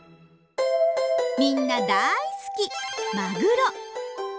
みんな大好きマグロ。